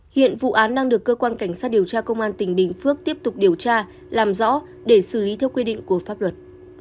hiện vụ án đang được cơ quan cảnh sát điều tra công an tỉnh bình phước tiếp tục điều tra làm rõ để xử lý theo quy định của pháp luật